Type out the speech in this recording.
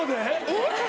えっ？